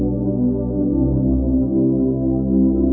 สวัสดีทุกคน